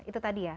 itu tadi ya